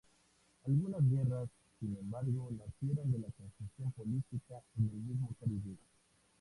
Algunas guerras, sin embargo, nacieron de la confusión política en el mismo Caribe.